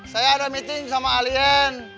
saya ada meeting sama alien